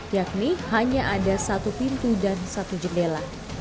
yakni hanya ada satu pintu dan satu jendela